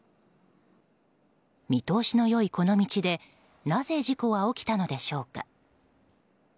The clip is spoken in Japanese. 見通しの良いこの道でなぜ、事故は起きたのでしょうか。